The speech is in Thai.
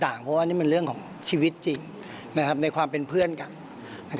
เพราะว่านี่มันเรื่องของชีวิตจริงในความเป็นเพื่อนกัน